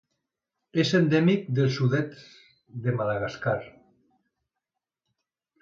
És endèmic del sud-est de Madagascar.